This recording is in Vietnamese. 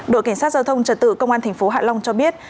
đội cảnh sát giao thông trật tự công an thành phố hạ long cho biết